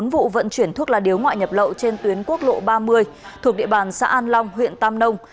bốn vụ vận chuyển thuốc lá điếu ngoại nhập lậu trên tuyến quốc lộ ba mươi thuộc địa bàn xã an long huyện tam nông